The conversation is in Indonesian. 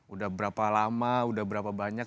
udah berapa lama udah berapa banyak